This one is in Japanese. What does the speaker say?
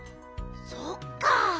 そっか。